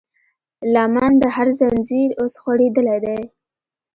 لمن د هر زنځير اوس خورېدلی دی